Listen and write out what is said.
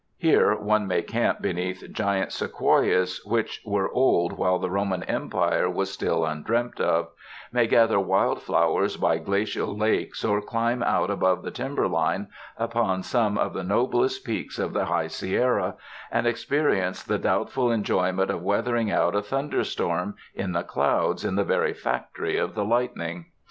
Here one may camp beneath giant sequoias which were old 76 THE MOUNTAINS while the Roman Empire was still undreamt of; may gather wild flowers by glacial lakes, or climb out above the timber line upon some of the noblest peaks of the High Sierra, and experience the doubt ful enjoyment of weathering out a thunder storm in the clouds in the very factory of the lightning.